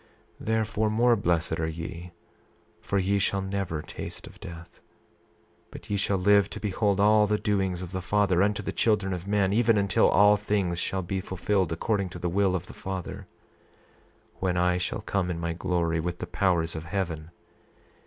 28:7 Therefore, more blessed are ye, for ye shall never taste of death; but ye shall live to behold all the doings of the Father unto the children of men, even until all things shall be fulfilled according to the will of the Father, when I shall come in my glory with the powers of heaven.